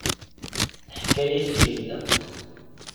Teḥka-ak jida.